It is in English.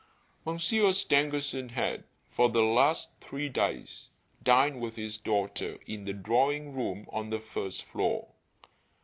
(Monsieur Stangerson had, for the last three days, dined with his daughter in the drawing room on the first floor.)